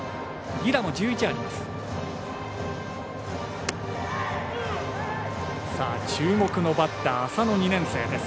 犠打も１１あります。